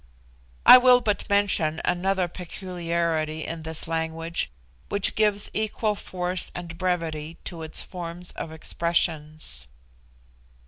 I will but mention another peculiarity in this language which gives equal force and brevity to its forms of expressions.